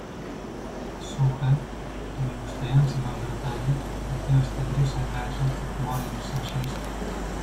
"Suche, nieustające mamrotanie jakiegoś tygrysa gazet w mojem sąsiedztwie."